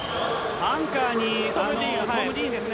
アンカーにトム・ディーンですね。